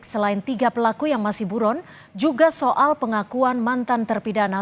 selain tiga pelaku yang masih buron juga soal pengakuan mantan terpidana